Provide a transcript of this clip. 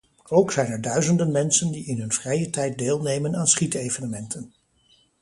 Ook zijn er duizenden mensen die in hun vrije tijd deelnemen aan schietevenementen.